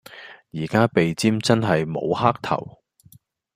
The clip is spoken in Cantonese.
而家鼻尖真係無黑頭